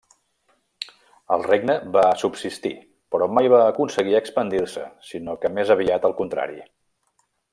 El regne va subsistir però mai va aconseguir expandir-se sinó que més aviat al contrari.